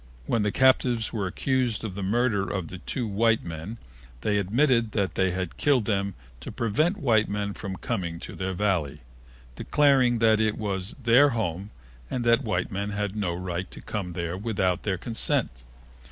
When the captives were accused of the murder of the two white men they admitted that they had killed them to prevent white men from coming to their Valley, declaring that it was their home and that white men had no right to come there without their consent.